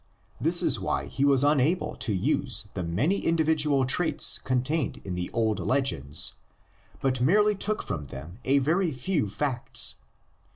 This is why he was unable to use the many individual traits contained in the old legends, but merely took from them a very few facts.